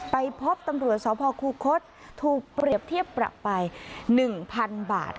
ไปพบตำรวจสพคูคศถูกเปรียบเทียบปรับไป๑๐๐๐บาท